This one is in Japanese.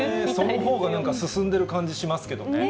そのほうが、なんか進んでいる感じしますけどね。